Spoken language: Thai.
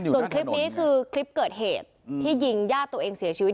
ส่วนคลิปนี้คือคลิปเกิดเหตุที่ยิงญาติตัวเองเสียชีวิต